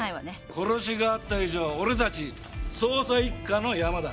殺しがあった以上俺たち捜査一課のヤマだ。